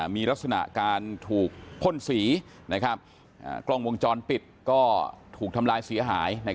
มีลักษณะการถูกพ่นสีกล้องวงจรปิดก็ถูกทำลายเสียหาย